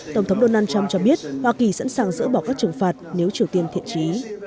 tổng thống donald trump cho biết hoa kỳ sẵn sàng dỡ bỏ các trừng phạt nếu triều tiên thiện trí